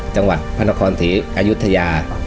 จังหวัดพระนครศรีอายุทยา